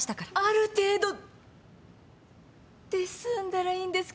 ある程度で済んだらいいんですけどね。